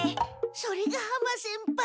それが浜先輩。